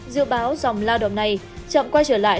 dự báo dòng lao động này chậm quay trở lại